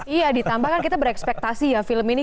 iya ditambahkan kita berekspektasi ya film ini